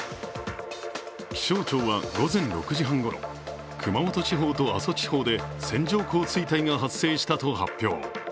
気象庁は午前６時半ごろ、熊本地方と阿蘇地方で線状降水帯が発生したと発表。